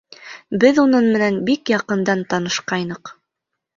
Беҙ уның менән бик яҡындан танышҡайныҡ.